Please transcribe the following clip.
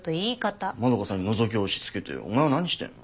円さんに覗きを押し付けてお前は何してんの？